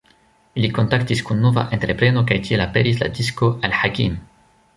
Ili kontaktis kun nova entrepreno kaj tiel aperis la disko "Al-Hakim".